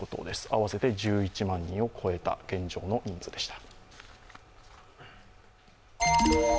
合わせて１１万人を超えた、現状の人数でした。